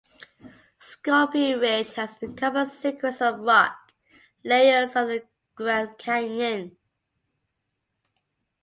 Scorpion Ridge has the common sequence of rock layers of the Grand Canyon.